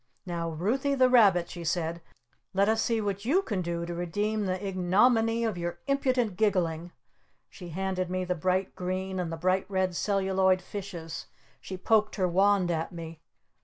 "Now, Ruthy the Rabbit," she said. "Let us see what you can do to redeem the ignominy of your impudent giggling!" She handed me the Bright Green and the Bright Red Celluloid fishes. She poked her wand at me.